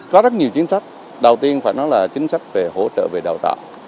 có rất nhiều chính sách đầu tiên phải nói là chính sách về hỗ trợ về đào tạo